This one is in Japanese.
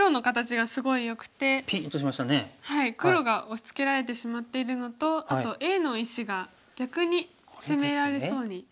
黒が押しつけられてしまっているのとあとＡの石が逆に攻められそうになってしまいます。